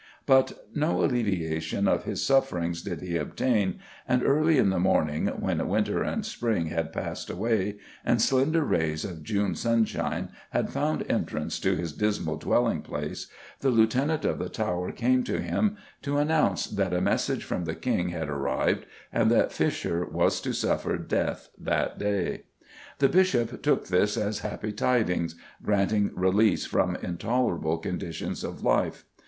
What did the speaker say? But no alleviation of his sufferings did he obtain, and early in the morning, when winter and spring had passed away, and slender rays of June sunshine had found entrance to his dismal dwelling place, the Lieutenant of the Tower came to him to announce that a message from the King had arrived, and that Fisher was to suffer death that day. The Bishop took this as happy tidings, granting release from intolerable conditions of life.